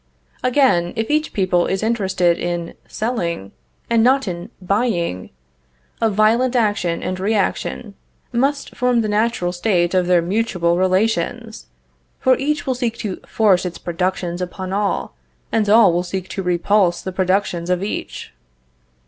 Again, if each people is interested in selling, and not in buying, a violent action and reaction must form the natural state of their mutual relations; for each will seek to force its productions upon all, and all will seek to repulse the productions of each.